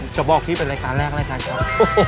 ผมจะบอกพี่เป็นรายการแรกครับ